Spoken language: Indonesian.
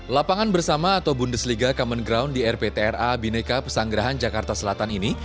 lapangan bersama atau bundesliga common ground di rptra bineka pesanggerahan jakarta selatan ini